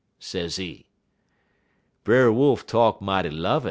sezee. "Brer Wolf talk mighty lovin'.